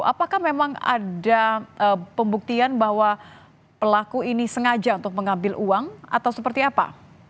apakah memang ada pembuktian bahwa pelaku ini sengaja untuk mengambil uang atau seperti apa